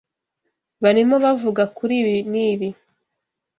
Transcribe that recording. Barimo bavuga kuri ibi n'ibi.